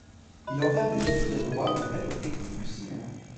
Il entame des études de droit, mais rêve aux techniques du cinéma.